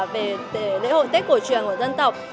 về lễ hội tết cổ truyền của dân tộc